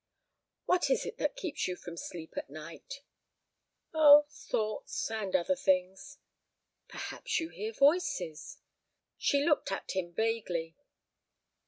"What is it that keeps you from sleep at night?" "Oh, thoughts—and other things." "Perhaps you hear voices?" She looked at him vaguely.